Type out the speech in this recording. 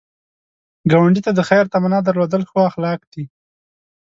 ګاونډي ته د خیر تمنا درلودل ښو اخلاق دي